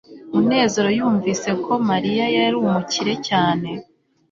munezero yumvise ko mariya yari umukire cyane